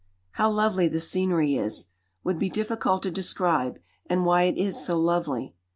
How lovely the scenery is, would be difficult to describe, and why it is so lovely.